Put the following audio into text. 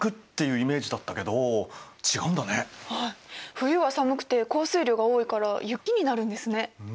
冬は寒くて降水量が多いから雪になるんですね。